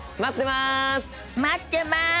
待ってます！